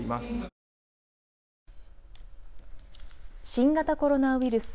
新型コロナウイルス。